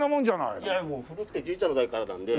いやいやもう古くてじいちゃんの代からなので。